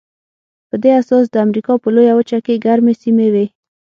په دې اساس د امریکا په لویه وچه کې ګرمې سیمې وې.